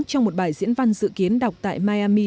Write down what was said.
trong một bài diễn văn dự kiến đọc tại miami